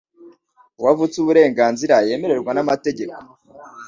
uwo avutsa uburenganzira yemererwa n'amategeko